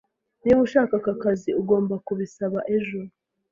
Niba ushaka aka kazi, ugomba kubisaba ejo.